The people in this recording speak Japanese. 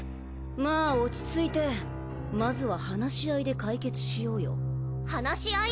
まあ落ち着いてまずは話し合いで解決しようよ話し合い？